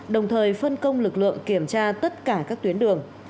đồng thời phân công lực lượng kiểm tra tất cả các tuyến đường